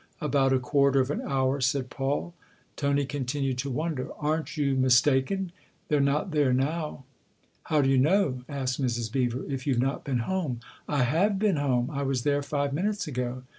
"" About a quarter of an hour," said Paul. Tony continued to wonder. " Aren't you mis taken ? They're not there now." " How do you know," asked Mrs. Beever, "if you've not been home ?"" I have been home I was there five minutes ago."